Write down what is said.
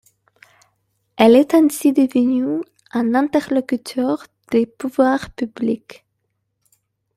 Elle est ainsi devenue un interlocuteur des pouvoirs publics.